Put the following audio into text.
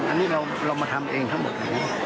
อันนี้เรามาทำเองทั้งหมดเลยนะ